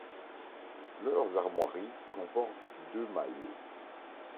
Leurs armoiries comportent deux maillets.